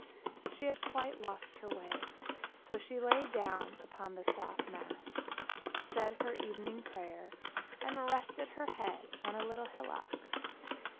She had quite lost her way, so she lay down upon the soft moss, said her evening prayer, and rested her head on a little hillock.